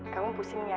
kamu pusing ya